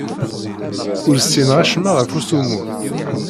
Ur ssineɣ acemma ɣef usummur.